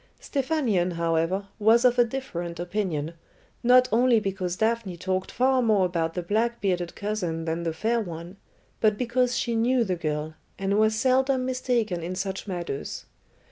Stephanion, however, was of a different opinion, not only because Daphne talked far more about the black bearded cousin than the fair one, but because she knew the girl, and was seldom mistaken in such matters.